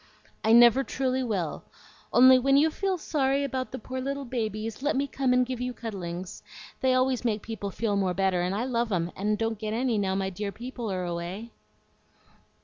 "I never truly will! Only when you feel sorry about the poor little babies, let me come and give you cuddlings. They always make people feel more better, and I love 'em, and don't get any now my dear people are away."